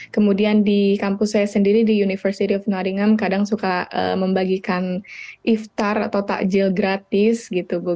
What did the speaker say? kemudian di kampus saya sendiri di university of nottingham kadang suka membagikan iftar atau takjil gratis gitu